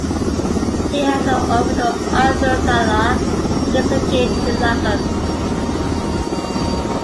He hands her over to Athrun Zala, who is engaged to Lacus.